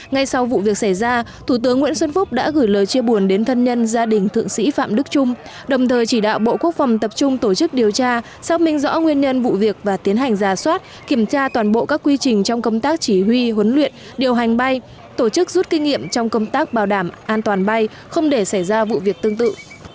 ngay sau vụ việc xảy ra thủ tướng nguyễn xuân phúc đã gửi lời chia buồn đến thân nhân gia đình thượng sĩ phạm đức trung đồng thời chỉ đạo bộ quốc phòng tập trung tổ chức điều tra xác minh rõ nguyên nhân vụ việc và tiến hành giả soát kiểm tra toàn bộ các quy trình trong công tác chỉ huy huấn luyện điều hành bay tổ chức rút kinh nghiệm trong công tác bảo đảm an toàn bay không để xảy ra vụ việc tương tự